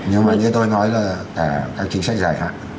nhưng mà như tôi nói là cả các chính sách dài hạn